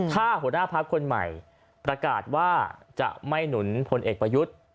ถ้าหัวหน้าพักคนใหม่ประกาศว่าจะไม่หนุนพลเอกประยุทธ์